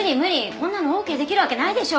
こんなのオーケーできるわけないでしょ！